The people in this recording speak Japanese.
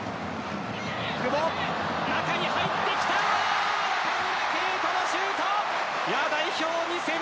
久保、中に入ってきた中村敬斗のシュート。